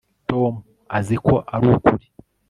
Tom azi ko arukuri